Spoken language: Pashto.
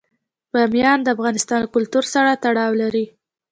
بامیان د افغان کلتور سره تړاو لري.